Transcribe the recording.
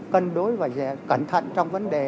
cân đối và cẩn thận trong vấn đề